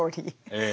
ええ。